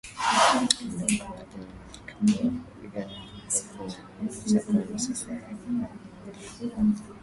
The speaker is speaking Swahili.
ndo huwapanda majike Kupigana huku kunaweza chukua nusu saa hadi saa zima mpaka mmoja